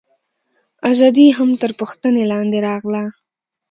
ازادي یې هم تر پوښتنې لاندې راغله.